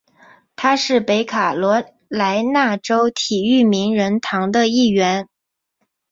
他是北卡罗来纳州体育名人堂的一员。